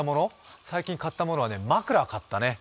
最近買ったものは、枕買ったね。